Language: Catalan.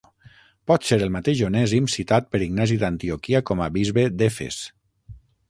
Pot ser el mateix Onèsim citat per Ignasi d'Antioquia com a bisbe d'Efes.